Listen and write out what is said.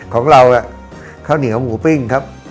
ของเราข้าวเหนียวหมูปิ้งครับ